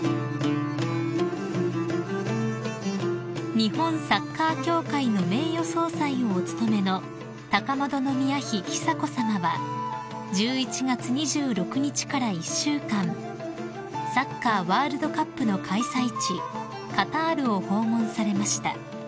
［日本サッカー協会の名誉総裁をお務めの高円宮妃久子さまは１１月２６日から１週間サッカーワールドカップの開催地カタールを訪問されました］